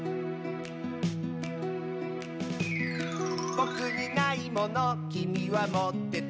「ぼくにないものきみはもってて」